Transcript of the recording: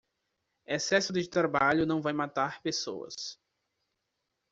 Excesso de trabalho não vai matar pessoas